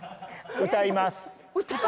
「歌います」？